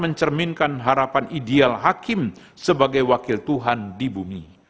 mencerminkan harapan ideal hakim sebagai wakil tuhan di bumi